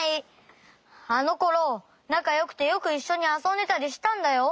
あのころなかよくてよくいっしょにあそんでたりしたんだよ。